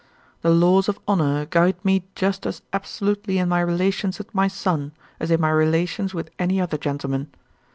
The laws of honor guide me just as absolutely in my relations with my son as in my relations with any other gentleman.